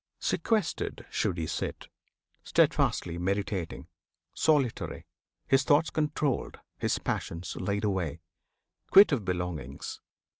Sequestered should he sit, Steadfastly meditating, solitary, His thoughts controlled, his passions laid away, Quit of belongings.